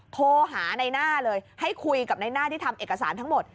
โทรหาในหน้าเลยให้คุยกับในหน้าที่ทำเอกสารทั้งหมด